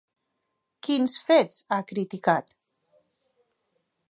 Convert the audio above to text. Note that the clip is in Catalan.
Quins fets ha criticat?